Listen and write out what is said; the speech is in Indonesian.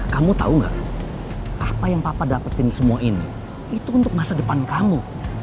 kamu tahu gak apa apa yang papa dapetin semua ini itu untuk masa depan kamu